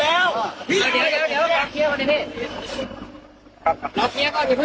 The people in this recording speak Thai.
เออพระ